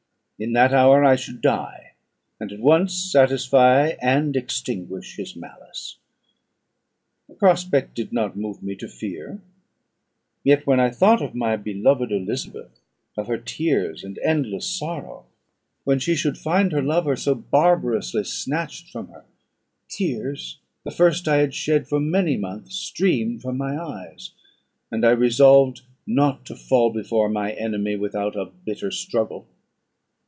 In that hour I should die, and at once satisfy and extinguish his malice. The prospect did not move me to fear; yet when I thought of my beloved Elizabeth, of her tears and endless sorrow, when she should find her lover so barbarously snatched from her, tears, the first I had shed for many months, streamed from my eyes, and I resolved not to fall before my enemy without a bitter struggle.